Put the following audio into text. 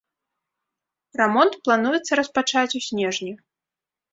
Рамонт плануецца распачаць у снежні.